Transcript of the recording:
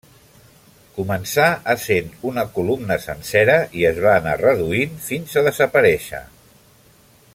Començà essent una columna sencera i es va anar reduint fins a desaparèixer.